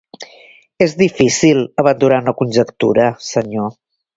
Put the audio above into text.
És difícil aventurar una conjectura, senyor.